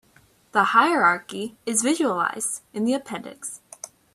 The hierarchy is visualized in the appendix.